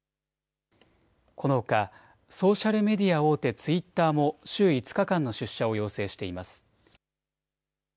このほかソーシャルメディア大手、ツイッターも週５日間の出社を要請しています。